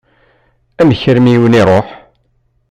Amek armi i wen-iṛuḥ?